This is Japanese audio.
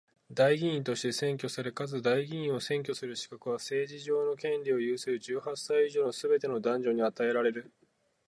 代議員として選挙され、かつ代議員を選挙する資格は、政治上の権利を有する十八歳以上のすべての男女に与えられる。